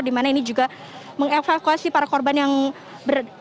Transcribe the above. di mana ini juga mengevakuasi para korban yang berada